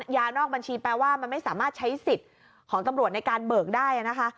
ยานอกบัญชีแปลว่ามันไม่สามารถใช้สิทธิ์ของตำรวจในการเบิกได้นะคะ